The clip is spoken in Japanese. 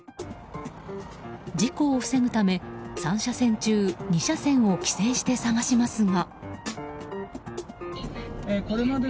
事故を防ぐため、３車線中２車線を規制して探しますが。